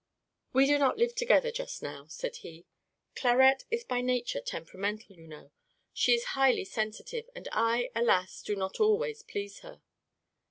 "We do not live together, just now," said he. "Clarette is by nature temperamental, you know; she is highly sensitive, and I, alas! do not always please her."